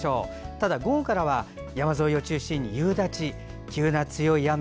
ただ、午後からは山沿いを中心に夕立。